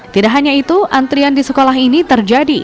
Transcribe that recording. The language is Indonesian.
tidak hanya itu antrian di sekolah ini terjadi